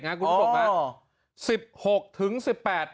คุณผู้ชมฮะ